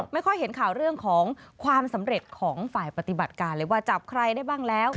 ไม่ค่อยเห็นข่าวเรื่องของความสำเร็จของฝ่ายปฏิบัติการเลยว่าจับใครได้บ้างแล้ว